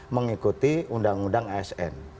mengikuti undang undang asn